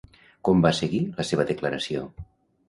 Com va seguir la seva declaració?